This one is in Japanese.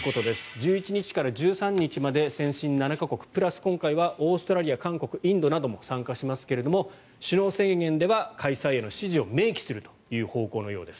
１１日から１３日まで先進７か国、プラス、今回はオーストラリア、韓国インドなども参加しますけれど首脳宣言では開催への支持を明記するという方向のようです。